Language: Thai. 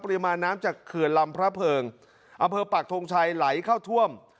ปริมาณน้ำจากเขื่อนลำพระเพิงอำเภอปากทงชัยไหลเข้าท่วม